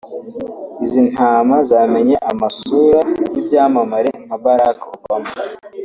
Izi ntama zamenye amasura y’ibyamamare nka Barack Obama